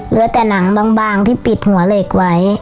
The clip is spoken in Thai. เหลือแต่หนังบางที่ปิดหัวเหล็กไว้